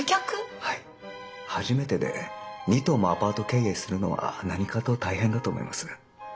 初めてで２棟もアパート経営するのは何かと大変だと思います。